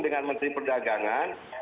dengan menteri perdagangan